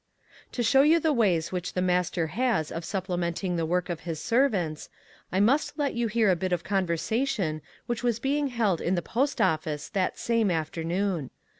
To show you the ways which the Mas ter has of supplementing the work of his servants, I must let you hear a bit of con versation which was being held in the post office that same afternoon.